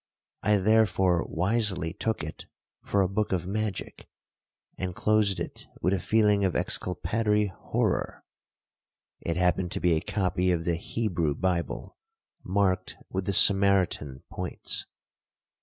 I therefore wisely took it for a book of magic, and closed it with a feeling of exculpatory horror. (It happened to be a copy of the Hebrew Bible, marked with the Samaritan points).